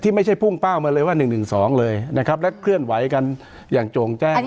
ไม่ใช่พุ่งเป้ามาเลยว่า๑๑๒เลยนะครับและเคลื่อนไหวกันอย่างโจ่งแจ้ง